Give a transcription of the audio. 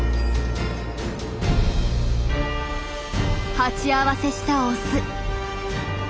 鉢合わせしたオス。